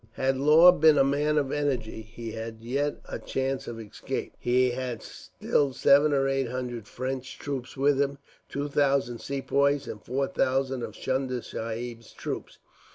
Had Law been a man of energy, he had yet a chance of escape. He had still seven or eight hundred French troops with him, two thousand Sepoys, and four thousand of Chunda Sahib's troops.